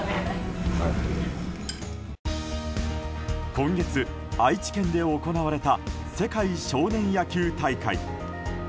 今月、愛知県で行われた世界少年野球大会。